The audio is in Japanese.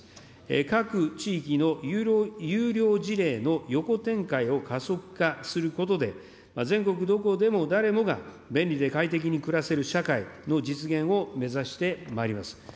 各地域の優良事例の横展開を加速化することで、全国どこでも、誰もが便利で快適に暮らせる社会の実現を目指してまいります。